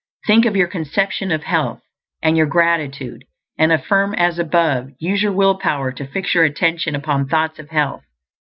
Think of your conception of health, and your gratitude, and affirm as above; use your will power to fix your attention upon thoughts of health.